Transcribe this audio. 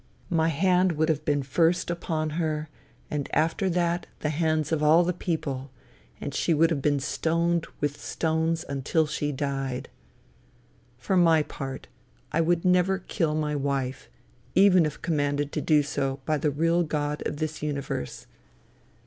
My hand would have been first upon her, and after that the hands of all the people, and she would have been stoned with stones until she died. For my part, I would never kill my wife, even if commanded so to do by the real God of this universe.